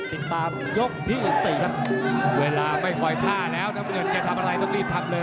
ติดตามยกที่๑๔ครับเวลาไม่ค่อยพลาดแล้วน้ำเงินจะทำอะไรต้องรีบทำเลย